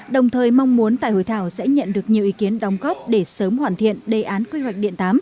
đồng thời mong muốn tại hội thảo sẽ nhận được nhiều ý kiến đóng góp để sớm hoàn thiện đề án quy hoạch điện tám